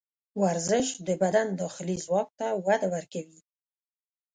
ورزش د بدن داخلي ځواک ته وده ورکوي.